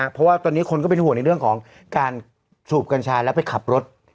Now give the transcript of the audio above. เพราะว่าตอนนี้คนก็เป็นห่วงในเรื่องของการสูบกัญชาแล้วไปขับรถ